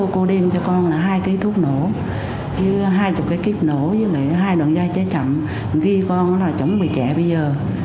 cô đem cho con là hai kg thuốc nổ hai mươi kiếp nổ và hai đoạn dây cháy chậm ghi con là chống bệnh trẻ bây giờ